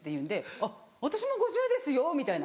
「あっ私も５０ですよ」みたいな。